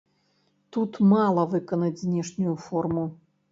Тут мала выканаць знешнюю форму.